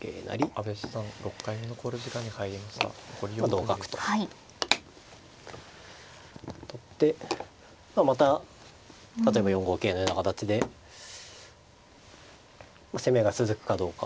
同角と取ってまた例えば４五桂のような形で攻めが続くかどうか。